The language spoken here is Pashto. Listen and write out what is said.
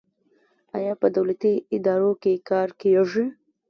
آیا په دولتي ادارو کې کار کیږي؟